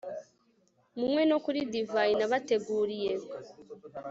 munywe no kuri divayi nabateguriye